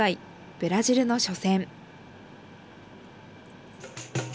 ブラジルの初戦。